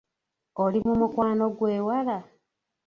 Oli mu mukwano gw'ewala?